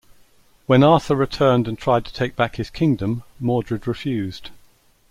When Arthur returned and tried to take back his kingdom, Mordred refused.